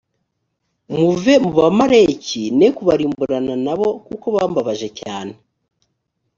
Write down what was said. muve mu bamaleki ne kubarimburana na bo kuko bambabaje cyane